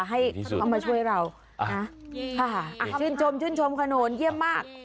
ให้เข้ามาช่วยเรานะค่ะชื่นชมชื่นชมขนุนเยี่ยมมาก